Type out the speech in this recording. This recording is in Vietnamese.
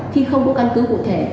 khi không có căn cứ cụ thể